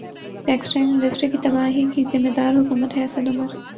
textile industry کی تباہی کی ذمہ دار حکومت ہے اسد عمر